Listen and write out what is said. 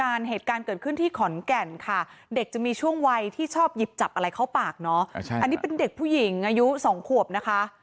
อันนี้เป็นเด็กผู้หญิงอายุ๒ขวบนะคะ